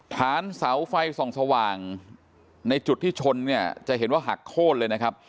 ฐานเสาไฟส่องสว่างในจุดที่ชนเนี่ยจะเห็นว่าหักโค้นเลยนะครับ